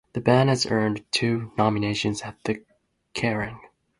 The band has earned two nominations at the Kerrang!